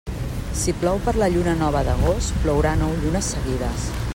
Si plou per la lluna nova d'agost, plourà nou llunes seguides.